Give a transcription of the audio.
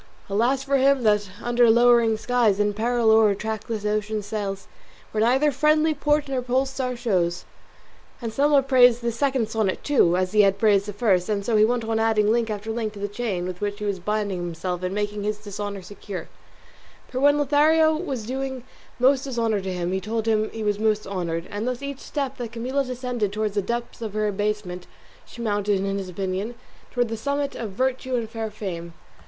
Alas for him that under lowering skies, In peril o'er a trackless ocean sails, Where neither friendly port nor pole star shows." Anselmo praised this second sonnet too, as he had praised the first; and so he went on adding link after link to the chain with which he was binding himself and making his dishonour secure; for when Lothario was doing most to dishonour him he told him he was most honoured; and thus each step that Camilla descended towards the depths of her abasement, she mounted, in his opinion, towards the summit of virtue and fair fame.